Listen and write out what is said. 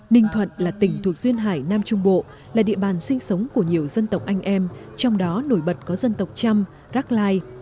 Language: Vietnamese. ninh thuận là tỉnh thuộc duyên hải nam trung bộ là địa bàn sinh sống của nhiều dân tộc anh em trong đó nổi bật có dân tộc trăm rắc lai